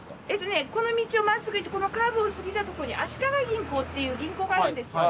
ねこの道を真っすぐ行ってこのカーブを過ぎたとこに足利銀行っていう銀行があるんですよ。